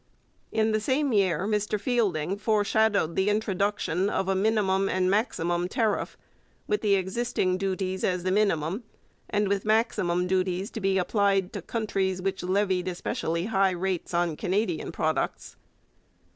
In the same year Mr Fielding foreshadowed the introduction of a minimum and maximum tariff, with the existing duties as the minimum, and with maximum duties to be applied to countries which levied especially high rates on Canadian products.